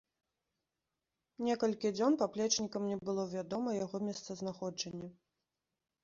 Некалькі дзён паплечнікам не было вядома яго месцазнаходжанне.